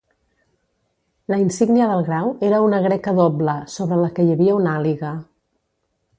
La insígnia del grau era una greca doble, sobre la que hi havia una àliga.